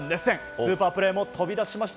スーパープレーも飛び出しました。